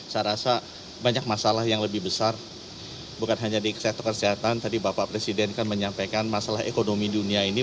saya rasa banyak masalah yang lebih besar bukan hanya di keselamatan tapi di wabah wabah sudah dengan menyampaikan masalah yang lebih dunia ini